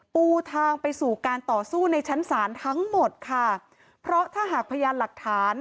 ปูทางไปสู่การต่อสู้ในชั้นศาลทั้งหมดค่ะเพราะถ้าหากพยานหลักฐาน